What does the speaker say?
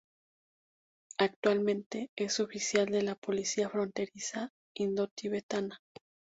Actualmente, es oficial de la policía fronteriza indo-tibetana.